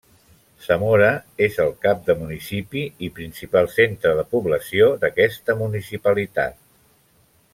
Zamora és el cap de municipi i principal centre de població d'aquesta municipalitat.